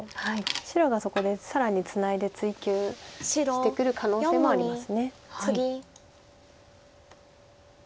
白がそこで更にツナいで追及してくる可能性もあります。